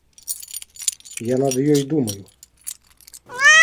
Я над ёй думаю.